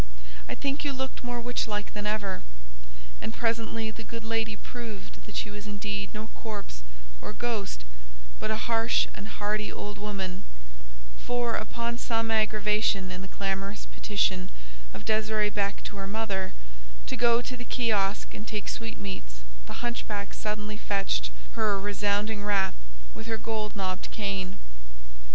I think you looked more witch like than ever. And presently the good lady proved that she was indeed no corpse or ghost, but a harsh and hardy old woman; for, upon some aggravation in the clamorous petition of Désirée Beck to her mother, to go to the kiosk and take sweetmeats, the hunchback suddenly fetched her a resounding rap with her gold knobbed cane.